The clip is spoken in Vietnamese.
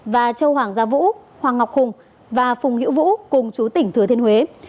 và châu hoàng gia vũ hoàng ngọc hùng và phùng hữu vũ cùng chú tỉnh thừa thiên huế